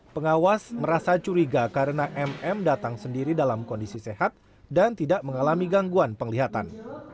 pengawas merasa curiga karena mm datang sendiri dalam kondisi sehat dan tidak mengalami gangguan penglihatan